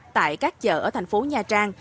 tại các chợ ở thành phố nha trang